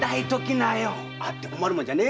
あって困るもんじゃねえんだから。